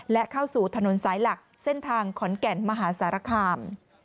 และเข้าสู่ถนนสายหลักเส้นทางขอนแก่นมหาสารคาม